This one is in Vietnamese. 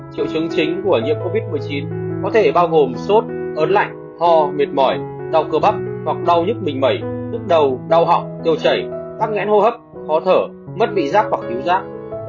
triệu chứng chính của nhiễm covid một mươi chín có thể bao gồm sốt ớn lạnh ho mệt mỏi đau cơ bắp hoặc đau nhức bình mẩy bước đầu đau họng tiêu chảy tắc nghẽn hô hấp khó thở mất vị giác hoặc cứu giác